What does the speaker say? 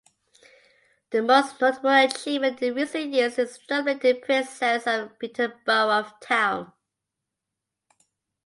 The most notable achievement in recent years is the dominating presence of Peterborough Town.